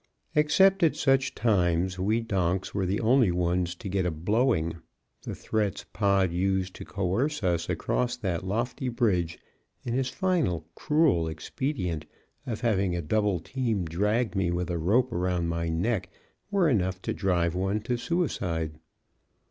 Except at such times, we donks were the only ones to get a "blowing;" the threats Pod used to coerce us across that lofty bridge and his final cruel expedient of having a double team drag me with a rope around my neck were enough to drive one to suicide.